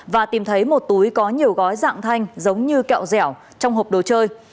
và tìm thấy một túi có nhiều gói dạng thanh giống như kẹo dẻo trong hộp đồ chơi